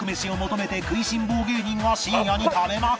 食いしん坊芸人が深夜に食べまくる！